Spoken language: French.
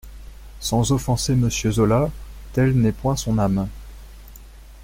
Sans offenser Monsieur Zola, telle n'est point son âme.